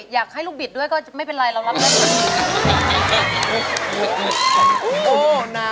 อยากให้ลูกบิดด้วยก็ไม่เป็นไรเรารับได้หมด